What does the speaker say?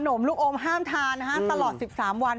มลูกอมห้ามทานตลอด๑๓วัน